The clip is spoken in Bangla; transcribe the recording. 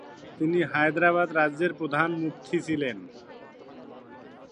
তিনি হায়দ্রাবাদ রাজ্যের প্রধান মুফতি ছিলেন।